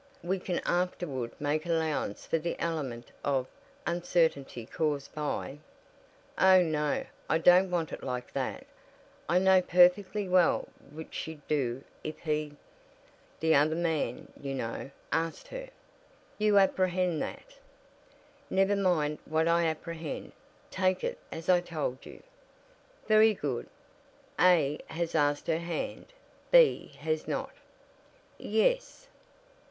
We can afterward make allowance for the element of uncertainty caused by " "Oh no; I don't want it like that. I know perfectly well which she'd do if he the other man you know asked her." "You apprehend that " "Never mind what I 'apprehend.' Take it as I told you." "Very good. A has asked her hand, B has not." "Yes."